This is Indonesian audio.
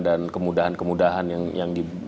dan kemudahan kemudahan yang diberikan